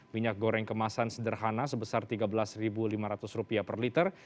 minyak goreng kemasan sederhana sebesar rp tiga belas lima ratus per liter